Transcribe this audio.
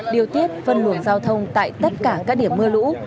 điều tiết phân luồng giao thông tại tất cả các điểm mưa lũ